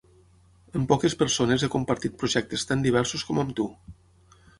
Amb poques persones he compartit projectes tan diversos com amb tu.